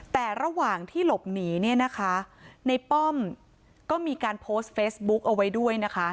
แต่ระหว่างที่หลบหนีเนี่ยนะคะในป้อมก็มีการโพสต์เฟซบุ๊กเอาไว้ด้วยนะคะ